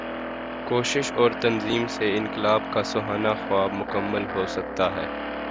کوشش اور تنظیم سے انقلاب کا سہانا خواب مکمل ہو سکتا ہے۔